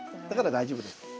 だから大丈夫です。